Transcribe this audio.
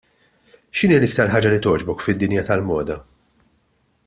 X'inhi l-iktar ħaġa li togħġbok fid-dinja tal-moda?